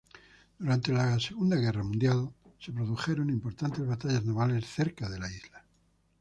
Durante la Segunda Guerra Mundial, se produjeron importantes batallas navales cerca de la isla.